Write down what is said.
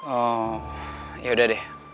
oh yaudah deh